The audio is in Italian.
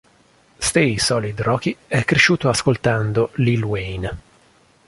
StaySolidRocky è cresciuto ascoltando Lil Wayne.